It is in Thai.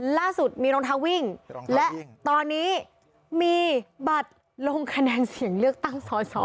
ล่าสุดมีรองเท้าวิ่งและตอนนี้มีบัตรลงคะแนนเสียงเลือกตั้งสอสอ